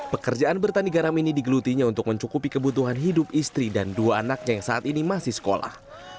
pekerjaan bertani garam ini digelutinya untuk mencukupi kebutuhan hidup istri dan dua anaknya yang saat ini masih sekolah